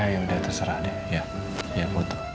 yaudah terserah deh ya foto